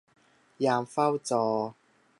ยามเฝ้าจอ